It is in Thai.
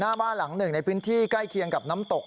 หน้าบ้านหลังหนึ่งในพื้นที่ใกล้เคียงกับน้ำตก